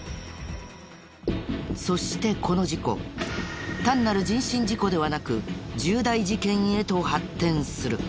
そしてこの事故単なる人身事故ではなく重大事件へと発展する。